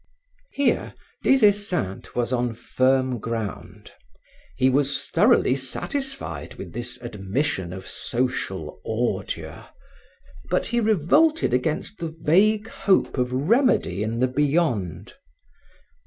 Here, Des Esseintes was on firm ground. He was thoroughly satisfied with this admission of social ordure, but he revolted against the vague hope of remedy in the beyond.